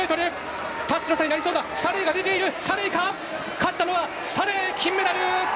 勝ったのはサレイ金メダル！